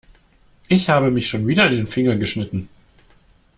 Ich habe mich schon wieder in den Finger geschnitten.